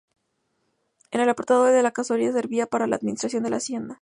En un apartado de la casona servía para la administración de la hacienda.